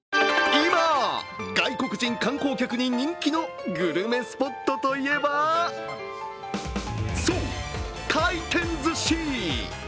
今、外国人観光客に人気のグルメスポットといえば、そう、回転ずし。